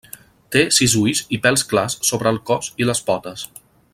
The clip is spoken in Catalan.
Té sis ulls i pèls clars sobre el cos i les potes.